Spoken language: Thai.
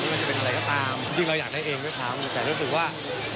ว่าจะเป็นอะไรก็ตามจริงเราอยากได้เองด้วยซ้ำแต่รู้สึกว่า